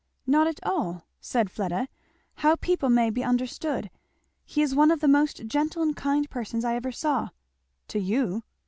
"Not at all!" said Fleda; "how people may be misunderstood! he is one of the most gentle and kind persons I ever saw." "To you!"